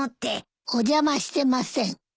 お邪魔してません。